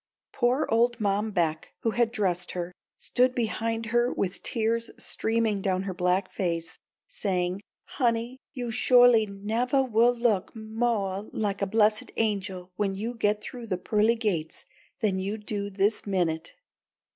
Poor old Mom Beck, who had dressed her, stood behind her with the tears streaming down her black face, saying, "Honey, you sho'ly nevah will look moah like a blessed angel when you git through the pearly gates than you do this minute!"